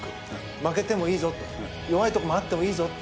負けてもいいぞ弱いとこあってもいいぞって。